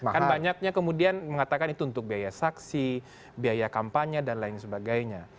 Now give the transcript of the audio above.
kan banyaknya kemudian mengatakan itu untuk biaya saksi biaya kampanye dan lain sebagainya